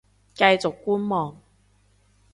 繼續觀望